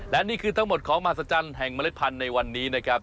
และนี่คือทั้งหมดของมหัศจรรย์แห่งเมล็ดพันธุ์ในวันนี้นะครับ